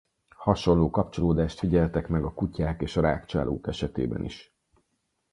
Hasonló kapcsolódást figyeltek meg a kutyák és a rágcsálók esetében is.